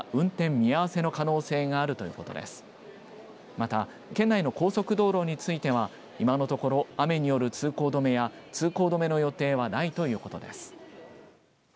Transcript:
また県内の高速道路については今のところ、雨による通行止めや通行止めの予定はないということです。